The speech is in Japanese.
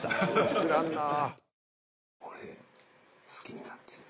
［知らんなぁ］